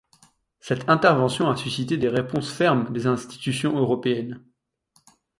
Cette intervention a suscité des réponses fermes des institutions européennes.